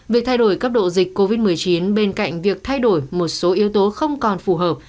việc thay đổi cấp độ dịch covid một mươi chín bên cạnh việc thay đổi một số yếu tố không còn phù hợp